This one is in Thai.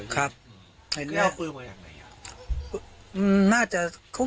เค้าเอาปืนมาอย่างไรอ่ะ